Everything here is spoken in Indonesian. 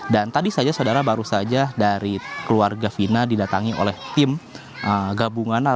dan tadi saja saudara baru saja dari keluarga vina didatangi oleh tim gabungan